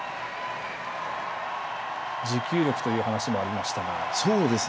持久力という話もありましたが。